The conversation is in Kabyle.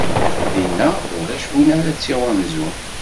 Dinna ulac win ara tt-iɣunzun.